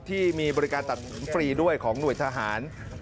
ที่มีบริการตัดสินฟรีด้วยของหน่วยทหาร